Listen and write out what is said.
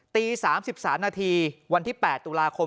ตี๓๓นาทีวันที่๘ตุลาคม